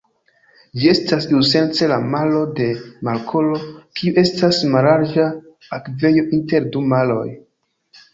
Ĝi estas iusence la malo de markolo, kiu estas mallarĝa akvejo inter du maroj.